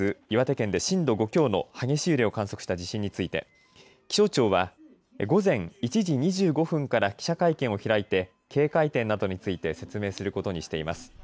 岩手県で震度５強の激しい揺れを観測した地震について気象庁は午前１時２５分から記者会見を開いて警戒点などについて説明することにしています。